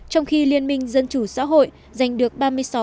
trong khi liên minh dân chủ xã hội giành được ba mươi sáu